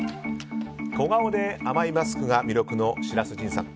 小顔で甘いマスクが魅力の白洲迅さん。